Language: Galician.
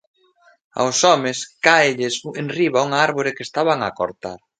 Aos homes cáelles enriba unha árbore que estaban a cortar.